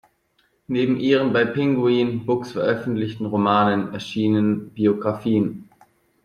Neben ihren bei Penguin Books veröffentlichten Romanen erschienen Biographien.